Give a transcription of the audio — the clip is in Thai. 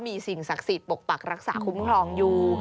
มีสิ่งศักดิ์สิทธิ์ปกปักรักษาคุ้มครองอยู่